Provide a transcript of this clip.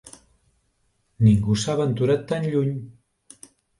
Ningú s'ha aventurat tan lluny.